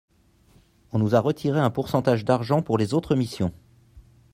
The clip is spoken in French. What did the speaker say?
on nous a retiré un pourcentage d'argent pour les autres missions.